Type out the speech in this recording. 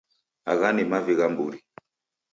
Agha ni mavi gha mburi